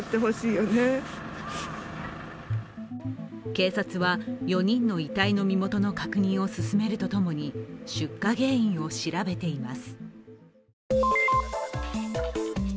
警察は４人の遺体の身元の確認を進めるとともに出火原因を調べています。